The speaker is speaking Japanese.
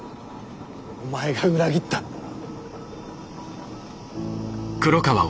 お前が裏切ったんだろ。